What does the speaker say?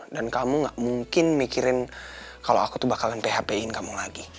dan kamu gak mungkin mikirin kalo aku tuh bakalan php in kamu lagi